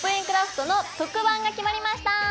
クラフト」の特番が決まりました！